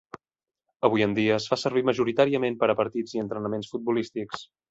Avui en dia es fa servir majoritàriament per a partits i entrenaments futbolístics.